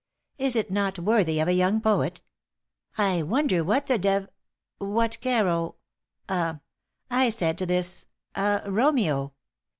"Is it not worthy of a young poet? I wonder what the dev what Caro ah I said to this ah Romeo?